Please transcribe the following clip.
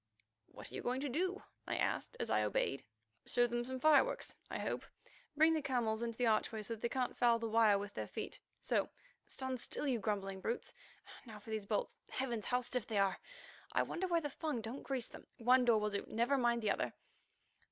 "What are you going to do?" I asked as I obeyed. "Show them some fireworks, I hope. Bring the camels into the archway so that they can't foul the wire with their feet. So—stand still, you grumbling brutes! Now for these bolts. Heavens! how stiff they are. I wonder why the Fung don't grease them. One door will do—never mind the other."